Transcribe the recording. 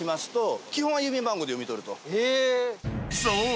［そう。